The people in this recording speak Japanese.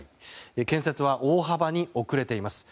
建設は大幅に遅れています。